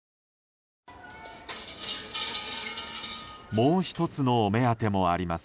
もう１つのお目当てもあります。